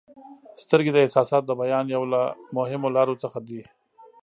• سترګې د احساساتو د بیان یوه له مهمو لارو څخه دي.